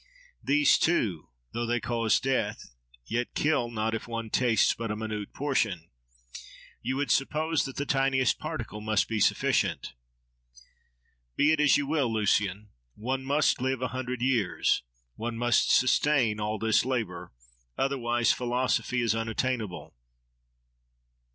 These too, though they cause death, yet kill not if one tastes but a minute portion. You would suppose that the tiniest particle must be sufficient. —Be it as you will, Lucian! One must live a hundred years: one must sustain all this labour; otherwise philosophy is unattainable.